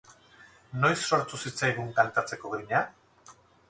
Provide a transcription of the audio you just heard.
Noiz sortu zitzaizun kantatzeko grina?